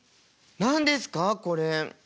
何ですかこれ？